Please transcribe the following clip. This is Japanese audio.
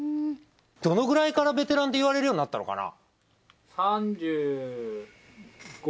どのくらいからベテランって言われるようになったのかな？